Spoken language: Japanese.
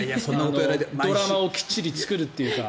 ドラマをきっちり作るというか。